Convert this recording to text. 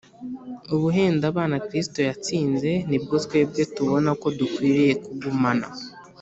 . Ubuhendabana Kristo yatsinze nibwo twebwe tubona ko dukwiriye kugumana